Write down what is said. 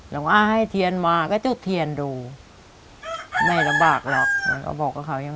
ลงอ้าให้เถียนมาก็ตู้เถียนดูไม่ระบาปหรอกมันก็บอกก็ข้าวอย่าง